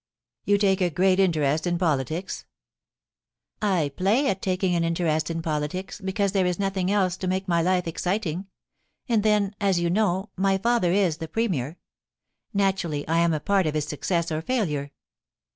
* You take a great interest in politics ?I play at taking an interest in politics, because there is nothing else to make my life exciting. And then, as you know, my father is the Premier. Naturally, I am a part of his success or failure.